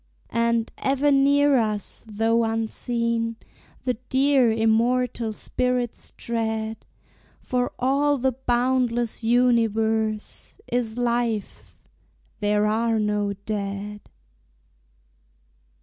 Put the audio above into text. And ever near us, though unseen, The dear, immortal spirits tread; For all the boundless universe Is life there are no dead.